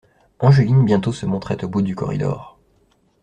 Angeline bientôt se montrait au bout du corridor.